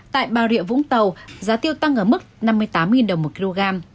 tại bà rịa vũng tàu giá tiêu tăng ở mức năm mươi tám đồng một kg